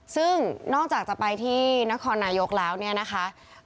ซึ่งนอกจากจะไปที่นครนายกแล้วเนี่ยนะคะ